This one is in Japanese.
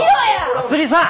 まつりさん。